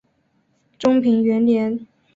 中平元年。